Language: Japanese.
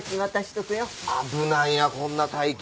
危ないなこんな大金。